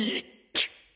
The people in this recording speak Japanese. くっ。